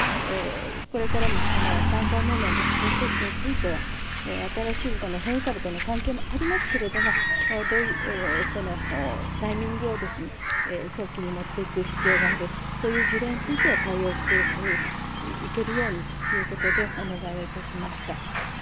これからもその３回目のワクチン接種については、新しいこの変異株との関係もありますけれども、タイミングを早期に持っていく必要がある、そういう事例については対応していけるようにということで、お願いをいたしました。